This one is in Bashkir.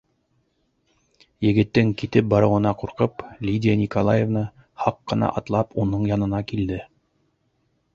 Егеттең китеп барыуынан ҡурҡып, Лидия Николаевна һаҡ ҡына атлап уның янына килде: